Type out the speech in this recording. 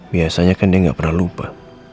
biasanya kan dia nggak pernah lupa